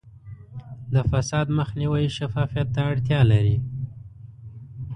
د فساد مخنیوی شفافیت ته اړتیا لري.